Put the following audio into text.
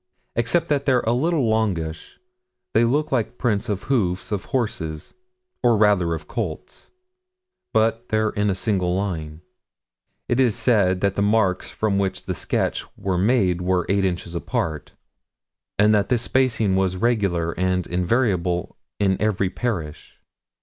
Except that they're a little longish, they look like prints of hoofs of horses or, rather, of colts. But they're in a single line. It is said that the marks from which the sketch was made were 8 inches apart, and that this spacing was regular and invariable "in every parish."